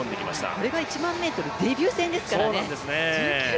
これが１００００ｍデビュー戦ですからね。